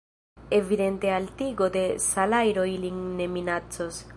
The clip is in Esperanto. Evidente altigo de salajro ilin ne minacos.